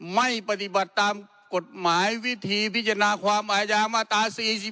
ไม่ปฏิบัติตามกฎหมายวิธีพิจารณาความอาญามาตรา๔๔